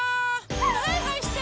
はいはいして！